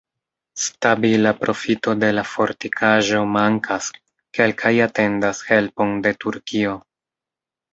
Stabila profito de la fortikaĵo mankas, kelkaj atendas helpon de Turkio.